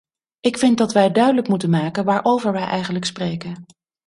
Ik vind dat wij duidelijk moeten maken waarover wij eigenlijk spreken.